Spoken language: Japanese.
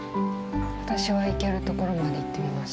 私は行けるところまで行ってみます。